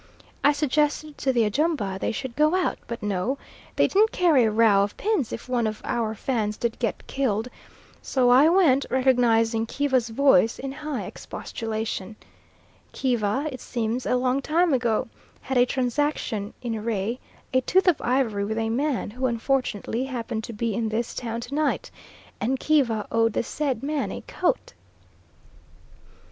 I suggested to the Ajumba they should go out; but no, they didn't care a row of pins if one of our Fans did get killed, so I went, recognising Kiva's voice in high expostulation. Kiva, it seems, a long time ago had a transaction in re a tooth of ivory with a man who, unfortunately, happened to be in this town to night, and Kiva owed the said man a coat.